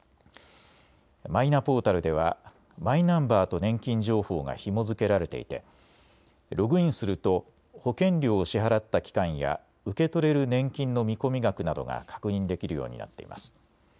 マイナポータルではマイナンバーと年金情報がひも付けられていてログインすると保険料を支払った期間や受け取れる年金の見込み額などが確認できるようになっています。